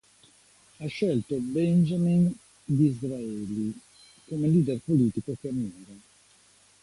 Ha scelto Benjamin Disraeli come leader politico che ammira.